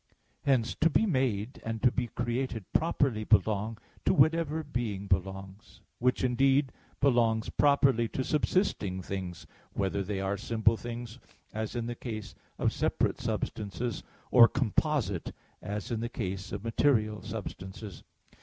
Hence to be made and to be created properly belong to whatever being belongs; which, indeed, belongs properly to subsisting things, whether they are simple things, as in the case of separate substances, or composite, as in the case of material substances.